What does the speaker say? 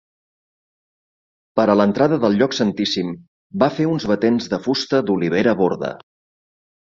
Per a l'entrada del lloc santíssim, va fer uns batents de fusta d'olivera borda.